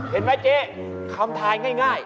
เห็นไหมเจ๊คำทายง่าย